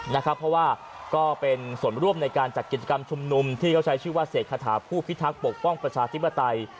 เพราะว่าก็เป็นส่วนร่วมในการจัดกิจกรรมชุมนุมที่เขาใช้ชื่อว่าเสกคาถาผู้พิทักษ์ปกป้องประชาธิปไตย